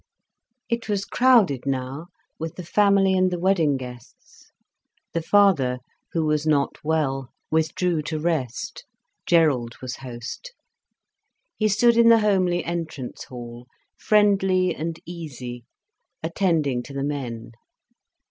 It was crowded now with the family and the wedding guests. The father, who was not well, withdrew to rest. Gerald was host. He stood in the homely entrance hall, friendly and easy, attending to the men.